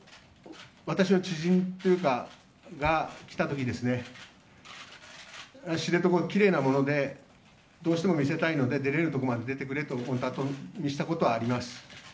私の知人が来た時に知床はきれいなものでどうしても見せたいので出れるところまで出てくれと言ったことはあります。